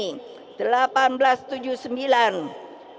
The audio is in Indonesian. raden ajeng kartini